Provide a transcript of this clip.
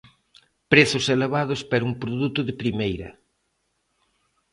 Prezos elevados pero un produto de primeira.